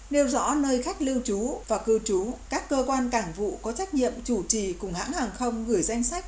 nêu rõ nơi khách lưu trú và cư trú các cơ quan cảng vụ có trách nhiệm chủ trì cùng hãng hàng không gửi danh sách